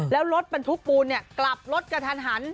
แล้วรถบรรทุกปูนกลับรถกระทันหัน